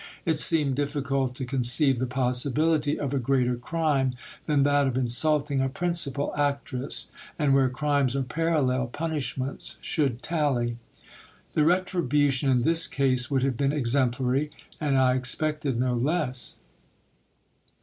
It seemed difficult to conceive the possibility cf a greater crime than that of insulting a principal actress : and where crimes are parallel, punishments should tally. The retribution in this case would lave been exemplary ; and I expected no less.